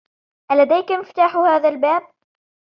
ألديك مفتاح هذا الباب؟